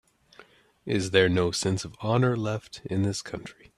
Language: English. Is there no sense of honor left in this country?